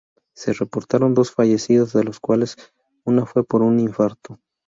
Se reportaron dos fallecidos, de los cuales, una fue por un infarto.